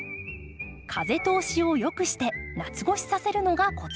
風通しをよくして夏越しさせるのがコツ。